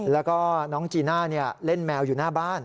แล้วก็น้องจีน่าเล่นแมวอยู่หน้าบ้าน